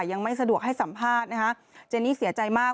ยังไม่สะดวกให้สัมภาษณ์นะคะเจนี่เสียใจมาก